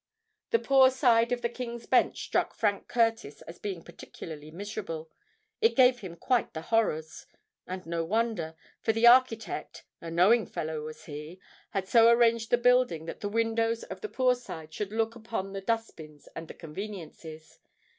The Poor Side of the King's Bench struck Frank Curtis as being particularly miserable:—it quite gave him the horrors! And no wonder;—for the architect—a knowing fellow was he!—had so arranged the building, that the windows of the Poor Side should look upon the dust bins and the conveniences.